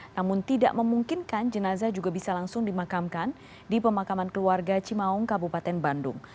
namun tidak memungkinkan jenazah juga bisa langsung dimakamkan di pemakaman keluarga cimaung kabupaten bandung